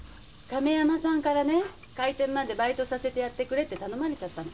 亀山さんから開店までバイトさせてくれって頼まれたの。